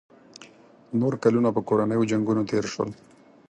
نور کلونه په کورنیو جنګونو تېر شول.